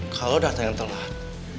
kalau datang yang telat